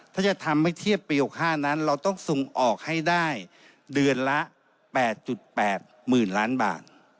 ถ้าจะทำให้เทียบปี๖๕นั้นเราต้องส่งออกให้ได้เดือนละ๘๘๐๐๐ล้านบาท